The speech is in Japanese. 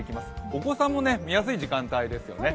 お子さんも見やすい時間帯ですよね。